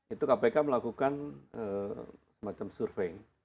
itu kpk melakukan semacam survei